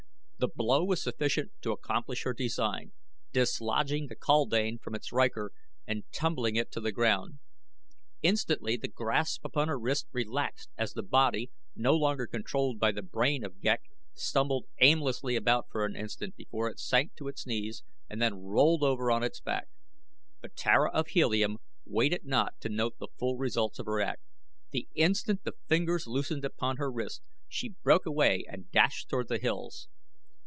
The blow was sufficient to accomplish her design, dislodging the kaldane from its rykor and tumbling it to the ground. Instantly the grasp upon her wrist relaxed as the body, no longer controlled by the brain of Ghek, stumbled aimlessly about for an instant before it sank to its knees and then rolled over on its back; but Tara of Helium waited not to note the full results of her act. The instant the fingers loosened upon her wrist she broke away and dashed toward the hills.